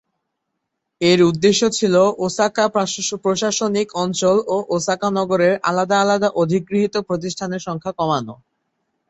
এর উদ্দেশ্য ছিল ওসাকা প্রশাসনিক অঞ্চল ও ওসাকা নগরের আলাদা আলাদা অধিগৃহীত প্রতিষ্ঠানের সংখ্যা কমানো।